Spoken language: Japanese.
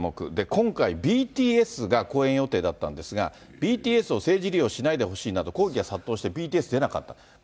今回、ＢＴＳが公演予定だったんですが、ＢＴＳを政治利用しないでほしいという抗議が殺到して、ＢＴＳが出なかったと。